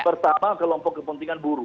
pertama kelompok kepentingan buruh